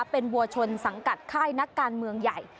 เป็นวัวชนสังกัดค่ายนักการเมืองใหญ่